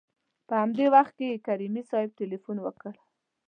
په همدې وخت کې کریمي صیب تلېفون وکړ.